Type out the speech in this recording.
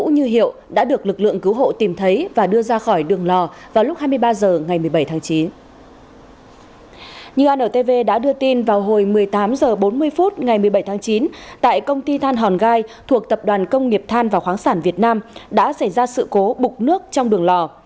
như antv đã đưa tin vào hồi một mươi tám h bốn mươi phút ngày một mươi bảy tháng chín tại công ty than hòn gai thuộc tập đoàn công nghiệp than và khoáng sản việt nam đã xảy ra sự cố bục nước trong đường lò